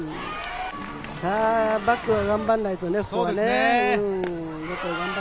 さぁ、バッターは頑張らないとね、ここは。